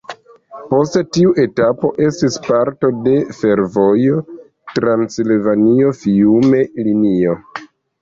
Poste tiu etapo estis parto de fervojo Transilvanio-Fiume linio.